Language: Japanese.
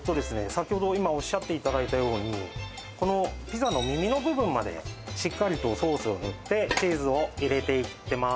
先ほど今おっしゃっていただいたようにこのピザの耳の部分までしっかりとソースを塗ってチーズを入れていってまーす